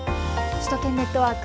首都圏ネットワーク。